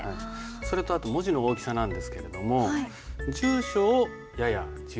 それとあと文字の大きさなんですけれども住所をやや小さめに。